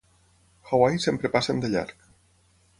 Hawaii sempre passen de llarg.